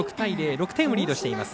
６点をリードしています。